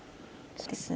そうですね。